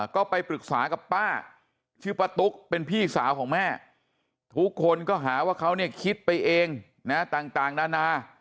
ก็ไปปรึกษากับป้าชื่อป้าตุ๊กเป็นพี่สาวของแม่ทุกคนก็หาว่าเขาเนี่ยคิดไปเองนะต่างนานา